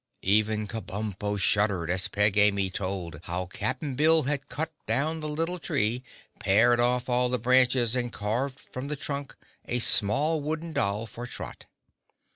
Even Kabumpo shuddered as Peg Amy told how Cap'n Bill had cut down the little tree, pared off all the branches and carved from the trunk a small wooden doll for Trot.